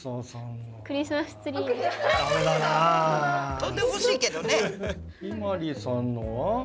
飛んでほしいけどね。